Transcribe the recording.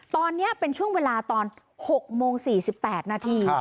ตอนนี้เป็นช่วงเวลาตอน๖โมง๔๘นาที